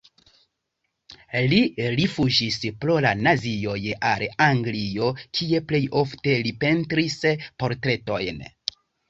Li rifuĝis pro la nazioj al Anglio, kie plej ofte li pentris portretojn.